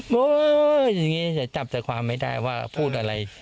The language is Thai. โวยวายจับแต่ความไม่ได้ว่าพูดอะไร